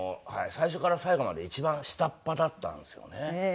最初から最後まで一番下っ端だったんですよね。